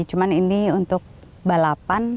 cuma ini untuk balap